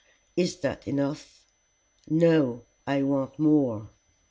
"Is that enough?" "No. I want more."